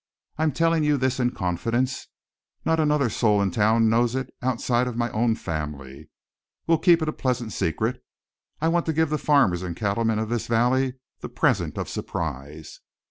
"I'm telling you this in confidence, not another soul in town knows it outside of my own family. We'll keep it a pleasant secret I want to give the farmers and cattlemen of this valley the present of a surprise.